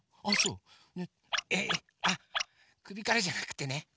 あっくびからじゃなくてね